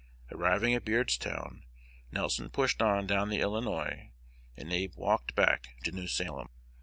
Arriving at Beardstown, Nelson pushed on down the Illinois, and Abe walked back to New Salem.